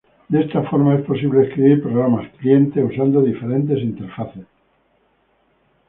De esta forma, es posible escribir programas cliente usando diferentes interfaces.